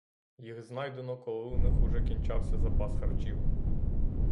Їх знайдено, коли у них уже кінчався запас харчів.